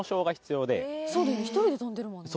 １人で飛んでるもんね。